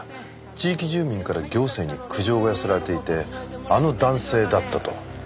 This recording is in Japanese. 地域住民から行政に苦情が寄せられていてあの男性だったと。